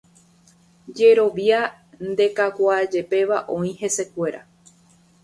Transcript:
Jerovia ndekakuaajepéva oĩ hesekuéra.